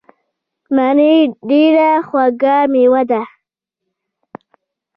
مڼې ډیره خوږه میوه ده.